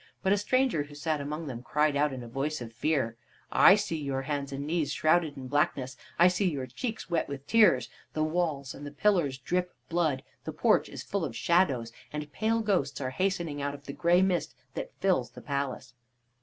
But a stranger who sat among them cried out in a voice of fear: "I see your hands and knees shrouded in blackness! I see your cheeks wet with tears! The walls and the pillars drip blood; the porch is full of shadows, and pale ghosts are hastening out of the gray mist that fills the palace."